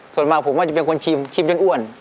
ส่วนมากผมก็จะเป็นคนชิมจนอ้วน